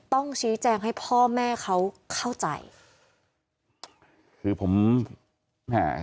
ต้องชี้แจงให้พ่อแม่เขาเข้าใจคือผมแม่